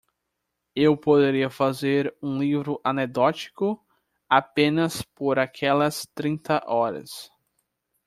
Eu poderia fazer um livro anedótico apenas por aquelas trinta horas.